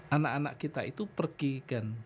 anak anak kita itu pergi kan